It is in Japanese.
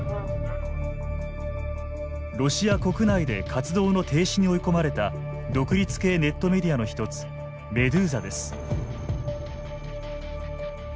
ロシア国内で活動の停止に追い込まれた独立系ネットメディアの１つメドゥーザです。